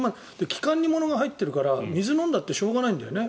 気管に物が入ってるから水を飲んだってしょうがないんだよね。